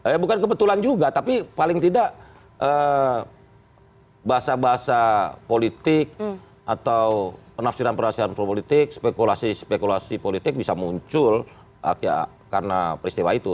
ya bukan kebetulan juga tapi paling tidak bahasa bahasa politik atau penafsiran penafsiran propolitik spekulasi spekulasi politik bisa muncul karena peristiwa itu